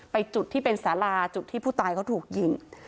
จุดที่เป็นสาราจุดที่ผู้ตายเขาถูกยิง